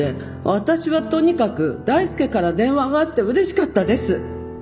私はとにかく大輔から電話があってうれしかったです。